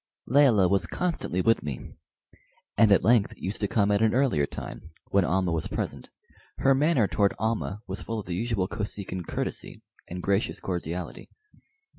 Layelah was constantly with me, and at length used to come at an earlier time, when Almah was present. Her manner toward Almah was full of the usual Kosekin courtesy and gracious cordiality.